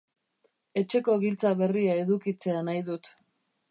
Etxeko giltza berria edukitzea nahi dut.